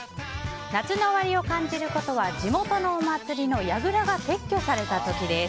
夏の終わりを感じることは地元のお祭りのやぐらが撤去された時です。